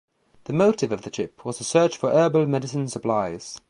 The motive of the trip was to search for herbal medicine supplies.